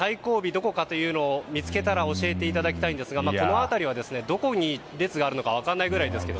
どこか見つけたら教えていただきたいんですがこの辺りはどこに列があるのか分からないですが。